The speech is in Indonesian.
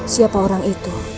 siapa orang itu